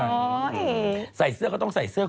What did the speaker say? ไปเรื่องต่อไปครับ